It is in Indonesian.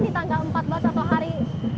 di tanggal empat belas atau hari